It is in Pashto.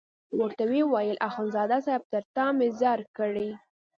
ورته ویې ویل اخندزاده صاحب تر تا مې ځار کړې.